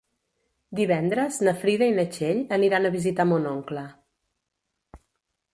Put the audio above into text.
Divendres na Frida i na Txell aniran a visitar mon oncle.